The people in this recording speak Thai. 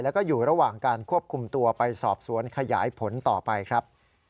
แล้วก็อยู่ระหว่างการควบคุมตัวไปสอบสวนขยายผลต่อไปครับ